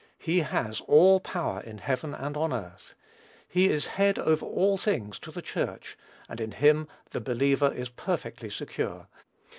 He has "all power in heaven and on earth." He is "head over all things to the Church," and in him the believer is perfectly secure.